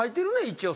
一応。